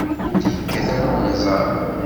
Ur d-yekkat ara unẓar.